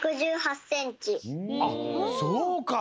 あっそうか。